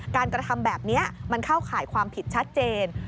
กระทำแบบนี้มันเข้าข่ายความผิดชัดเจน